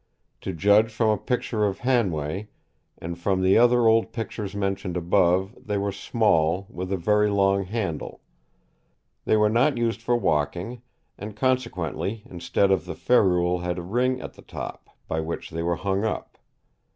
To judge from a picture of Hanway, and from the other old pictures mentioned above, they were small, with a very long handle. They were not used for walking, and consequently instead of the ferrule had a ring at the top, by which they were hung up.